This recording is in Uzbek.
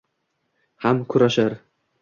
Ham kurashar